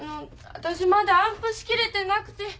わたしまだ暗譜しきれてなくて。